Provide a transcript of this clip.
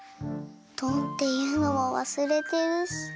「ドン」っていうのもわすれてるし。